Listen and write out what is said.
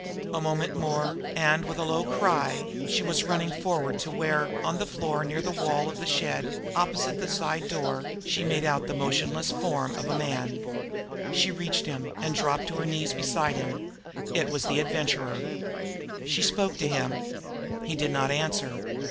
A moment more, and, with a low cry, she was running forward to where, on the floor near the wall of the shed opposite the side door, she made out the motionless form of a man. She reached him, and dropped on her knees beside him. It was the Adventurer. She spoke to him. He did not answer.